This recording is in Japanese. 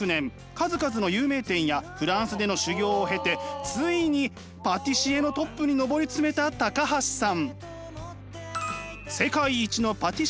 数々の有名店やフランスでの修業を経てついにパティシエのトップに上り詰めた橋さん。